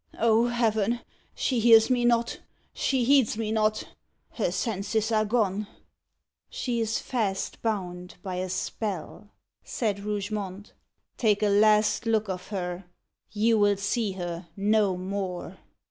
O Heaven! she hears me not! she heeds me not! Her senses are gone." "She is fast bound by a spell," said Rougemont. "Take a last look of her. You will see her no more."